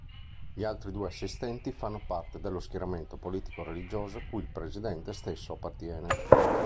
Gli altri due Assistenti fanno parte dello schieramento politico-religioso cui il Presidente stesso appartiene.